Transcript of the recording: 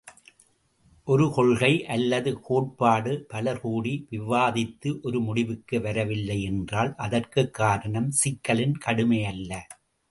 ஒரு கொள்கை அல்லது கோட்பாடு பலர்கூடி விவாதித்து ஒரு முடிவுக்கு வரவில்லையென்றால் அதற்குக் காரணம் சிக்கலின் கடுமையல்ல.